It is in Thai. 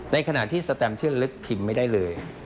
ในขณะที่สแตมเชื่อลึกพิมพ์ไม่ได้เลย